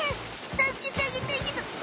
たすけてあげたいけど。